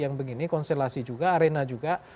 yang begini konstelasi juga arena juga